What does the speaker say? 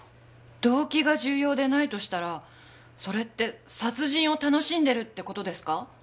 動機が重要でないとしたらそれって殺人を楽しんでるって事ですか？